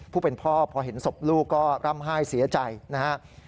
ผู้เป็นพ่อพอเห็นศพลูกก็ร่ำไห้เสียใจนะครับ